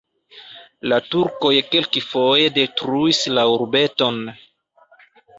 La turkoj kelkfoje detruis la urbeton.